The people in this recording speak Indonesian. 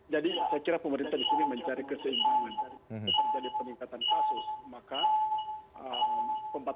jadi saya kira pemerintah di sini mencari keseimbangan